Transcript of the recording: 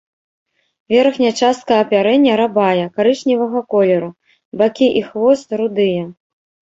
Верхняя частка апярэння рабая, карычневага колеру, бакі і хвост рудыя.